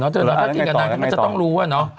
ถ้ากินกับนางมันจะต้องรู้